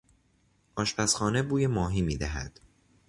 آشپزخانه بوی ماهی می دهد.